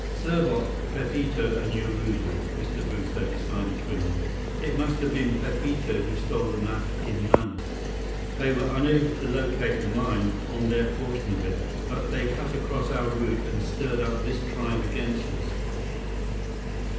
"Serbot, Pepito, and Urubu," Mr. Brewster decided grimly. "It must have been Pepito who stole the map in Manaus. They were unable to locate the mine on their portion of it, but they cut across our route and stirred up this tribe against us."